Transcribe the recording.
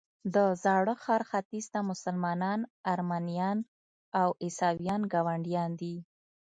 د زاړه ښار ختیځ ته مسلمانان، ارمنیان او عیسویان ګاونډیان دي.